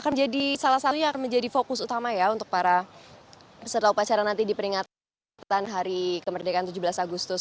akan jadi salah satu yang akan menjadi fokus utama ya untuk para peserta upacara nanti di peringatan hari kemerdekaan tujuh belas agustus